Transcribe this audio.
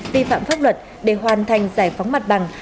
vi phạm pháp luật để hoàn thành giải phóng mặt bằng